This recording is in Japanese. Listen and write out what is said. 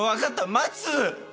待つ！